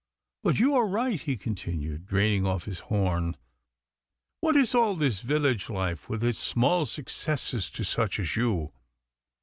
But you are right,' he continued, draining off his horn. 'What is all this village life with its small successes to such as you?